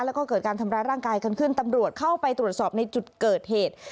แล้วก็เกิดการทำร้ายร่างกายกันขึ้นตำรวจเข้าไปตรวจสอบในจุดเกิดเหตุ